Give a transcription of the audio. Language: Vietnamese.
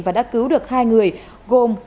và đã cứu được hai người gồm